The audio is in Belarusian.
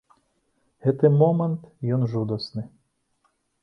Гэты момант, ён жудасны.